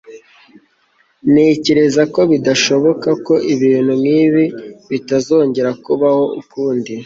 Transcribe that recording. ntekereza ko bidashoboka ko ibintu nkibi bitazongera kubaho ukundi